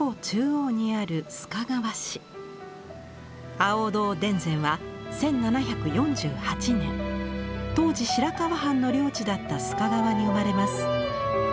亜欧堂田善は１７４８年当時白河藩の領地だった須賀川に生まれます。